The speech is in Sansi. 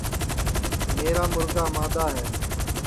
میرا مُرگا مادؔا ہے